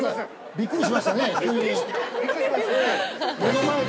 びっくりしましたね、急に。